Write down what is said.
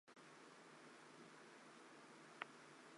本站因临近湖北工业大学而得名。